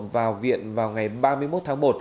vào viện vào ngày ba mươi một tháng một